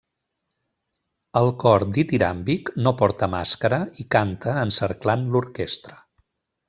El cor ditiràmbic no porta màscara i canta encerclant l'orquestra.